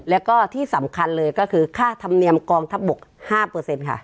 แล้วก็ที่สำคัญเลยก็คือค่าธรรมเนียมกองทัพบก๕ค่ะ